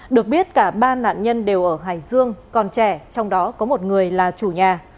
được biết cả ba nạn nhân đều ở hải dương còn trẻ trong đó có một người là chủ nhà